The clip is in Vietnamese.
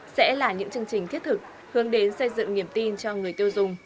sẽ là những chương trình thiết thực hướng đến xây dựng niềm tin cho người tiêu dùng